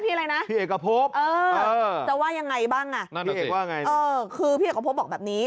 พี่เอกพบเออจะว่ายังไงบ้างน่ะคือพี่เอกพบบอกแบบนี้